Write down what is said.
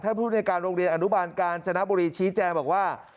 ผู้ในการโรงเรียนอนุบาลกาญจนบุรีชี้แจงบอกว่า